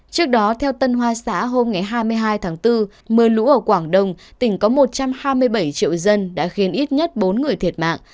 trước đó theo tân hoa xã hôm hai mươi hai tháng bốn mưa lũ ở quảng đông tỉnh có một trăm hai mươi bảy triệu dân đã khiến ít nhất bốn người thiệt mạng